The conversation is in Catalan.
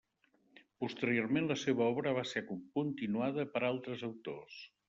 Posteriorment la seva obra va ser continuada per altres autors.